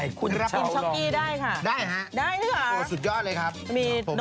รับกินชอคกี้ได้ค่ะโอ้สุดยอดเลยครับได้แหละ